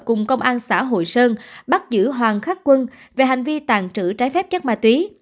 cùng công an xã hội sơn bắt giữ hoàng khắc quân về hành vi tàn trữ trái phép chất ma túy